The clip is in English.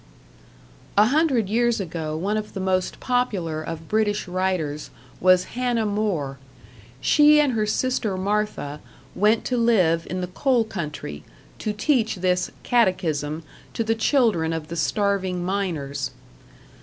A hundred years ago one of the most popular of British writers was Hannah More. She and her sister Martha went to live in the coal country, to teach this "catechism" to the children of the starving miners.